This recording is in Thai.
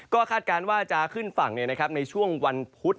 ก็คาดการณ์ว่าจะขึ้นฝั่งในช่วงวันพุธ